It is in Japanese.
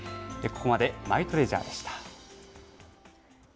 ここまで、マイトレジャーでした。